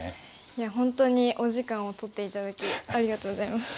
いや本当にお時間を取って頂きありがとうございます。